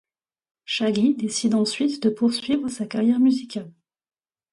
Shaggy décide ensuite de poursuivre sa carrière musicale.